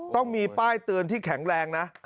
ต้องมีป้ายเตือนที่แข็งแรงนะ